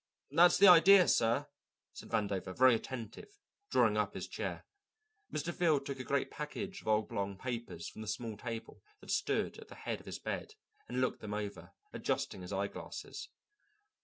"That's the idea, sir," said Vandover, very attentive, drawing up his chair. Mr. Field took a great package of oblong papers from the small table that stood at the head of his bed, and looked them over, adjusting his eyeglasses.